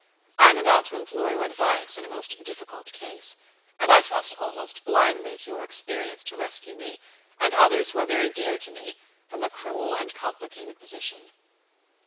I am about to implore your advice in a most difficult case, and I trust almost blindly to your experience to rescue me, and others who are very dear to me, from a cruel and complicated position."